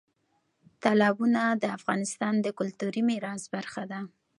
تالابونه د افغانستان د کلتوري میراث برخه ده.